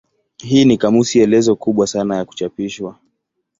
Hii ni kamusi elezo kubwa sana ya kuchapishwa.